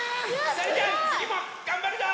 それじゃつぎもがんばるぞ！